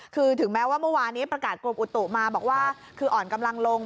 คือถึงแม้ว่าเมื่อวานนี้ประกาศกรมอุตุมาบอกว่าคืออ่อนกำลังลง